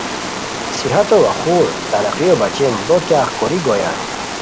صحتو وا خور ترقیو بچین بو کیاغ کوری گویان